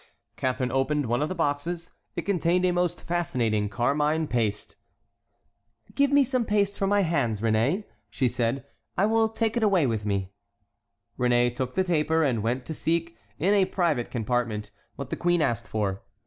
Catharine opened one of the boxes; it contained a most fascinating carmine paste. "Give me some paste for my hands, Réné," said she; "I will take it away with me." Réné took the taper, and went to seek, in a private compartment, what the queen asked for.